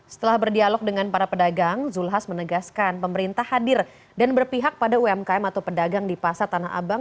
setelah berdialog dengan para pedagang zulkifli hasan menegaskan pemerintah hadir dan berpihak pada umkm atau pedagang di pasar tanah abang